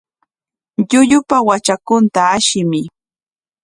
Llullupa watrakunta ashimuy.